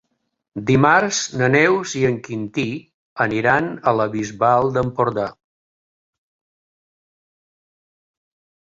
Dimarts na Neus i en Quintí aniran a la Bisbal d'Empordà.